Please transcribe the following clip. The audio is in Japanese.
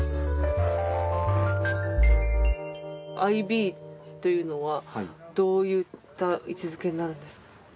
アイビーというのはどういった位置づけになるんですか？